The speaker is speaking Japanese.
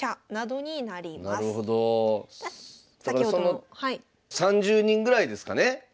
その３０人ぐらいですかね